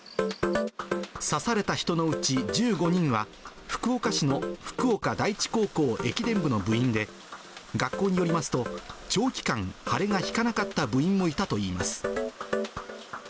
刺された人のうち１５人は、福岡市の福岡第一高校駅伝部の部員で、学校によりますと、長期間、腫れが引かなかった部員もいたといいます。